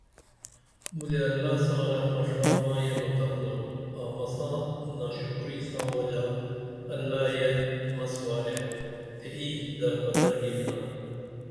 مُدے اللہ ساں رحمہ ڜا ما یہ مُقم درو آں مساں ناشُکری ساں وجا اللہ یے مس وارے تے اِی در پدر گیوینا